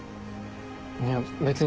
いや別に。